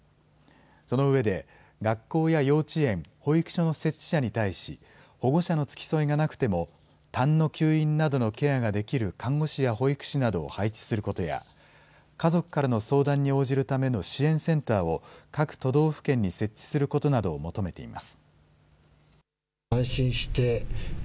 その上で、学校や幼稚園、保育所の設置者に対し、保護者の付き添いがなくても、たんの吸引などのケアができる看護師や保育士などを配置することや、家族からの相談に応じるための支援センターを、各都道府県に設置することなどを求めています。